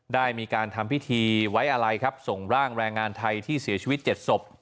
ได้มีการทำพิธีไว้อะไรครับส่งร่างแรงงานไทยที่เสียชีวิต๗ศพ